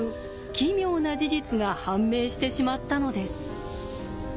奇妙な事実が判明してしまったのです。